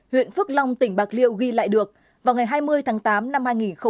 huyện phước long tỉnh bạc liêu ghi lại được vào ngày hai mươi tháng tám năm hai nghìn một mươi chín